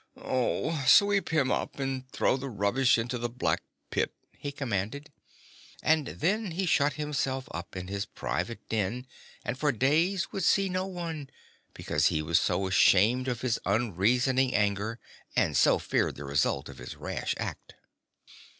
"Sweep him up and throw the rubbish into the black pit," he commanded; and then he shut himself up in his private den and for days would see no one, because he was so ashamed of his unreasoning anger and so feared the results of his rash act.